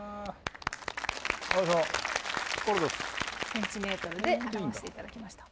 ｃｍで表していただきました。